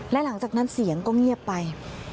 และหลังจากนั้นเสียงก็เงียบไป